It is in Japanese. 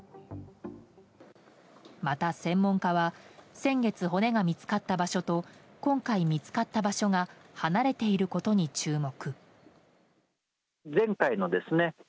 また、専門家は先月、骨が見つかった場所と今回見つかった場所が離れていることに注目。